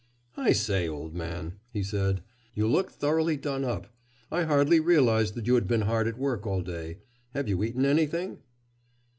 "I say, old man," he said, "you look thoroughly done up. I hardly realized that you had been hard at work all day. Have you eaten anything?"